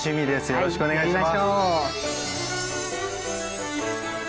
よろしくお願いします。